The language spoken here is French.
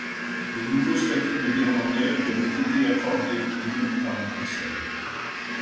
Le nouveau statut de l'irlandais lui avait été accordé le par le Conseil.